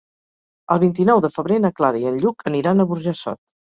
El vint-i-nou de febrer na Clara i en Lluc aniran a Burjassot.